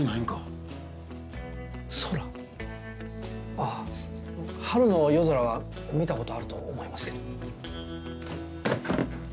ああ春の夜空は見たことあると思いますけど。